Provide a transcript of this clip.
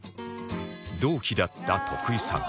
同期だった徳井さん